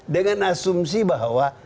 dengan asumsi bahwa